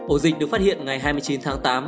ổ dịch được phát hiện ngày hai mươi chín tháng tám